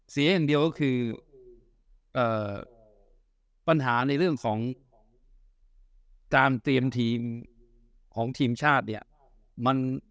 เสียอย่างเดียวก็คือปัญหาในเรื่องของการเตรียมทีมของทีมชาติเนี่ย